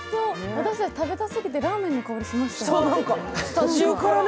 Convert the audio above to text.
私たち食べたすぎてラーメンの香りしましたよね。